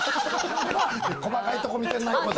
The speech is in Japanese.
細かいところ見てんな。